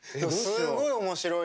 すごい面白いから。